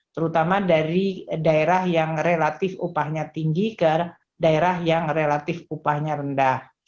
terutama dari daerah yang relatif upahnya tinggi ke daerah yang relatif upahnya rendah